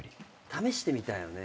試してみたいよね。